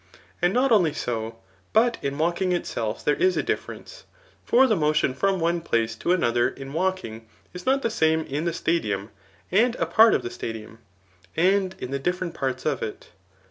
And not only so, but in walking itself there is a difference ; for the motion from one place to another in walking, is not the same in the stadium and a part of the stadium, and in the different parts of it.